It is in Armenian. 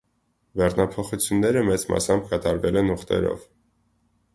Բեռնափոխությունները մեծ մասամբ կատարվել են ուղտերով։